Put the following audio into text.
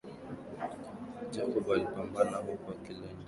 Jacob alipambana huku akilinda jeraha lake mkononi